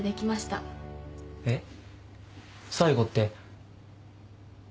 えっ最後って？